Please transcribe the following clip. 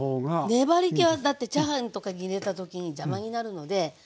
粘りけはだってチャーハンとかに入れた時に邪魔になるのではい。